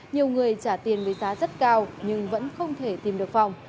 nhiều người trả tiền với giá rất cao nhưng vẫn không thể tìm được phòng